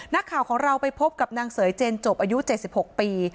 นักข่าวของเราไปพบกับนางเสยเจนจบอายุ๗๖ปี